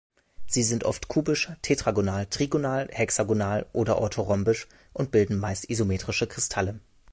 Sie sind oft kubisch, tetragonal, trigonal, hexagonal oder orthorhombisch und bilden meist isometrische Kristalle.